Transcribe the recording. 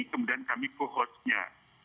kemudian kami co hostnya